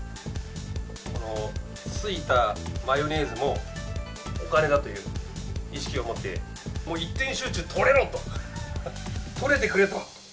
ついたマヨネーズもお金だという意識を持って、もう一点集中取れろ！と取れてくれと。